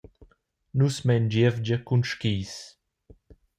Nus mein gievgia cun skis.